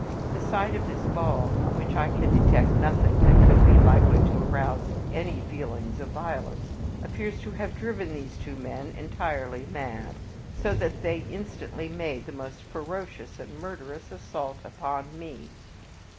The sight of this ball in which I can detect nothing that could be likely to arouse any feelings of violence appears to have driven these two men entirely mad, so that they instantly made the most ferocious and murderous assault upon me.